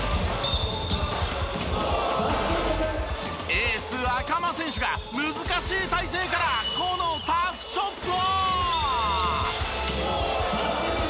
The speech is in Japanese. エース赤間選手が難しい体勢からこのタフショット！